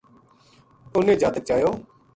اِن نے جاتک چایو